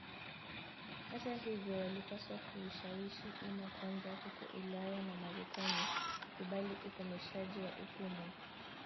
Hata hivyo walipaswa kuushawishi umma kwanza huko Ulaya na Marekani kukubali ukomeshaji wa utumwa